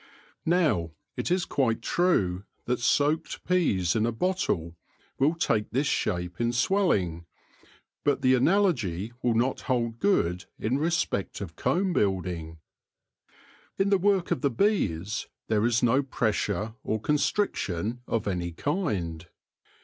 Now, it is quite true that soaked peas in a bottle will take this shape in swelling, but the analogy will not hold good in respect of comb building. In the work of the bees there is no pressure or constriction of any kind.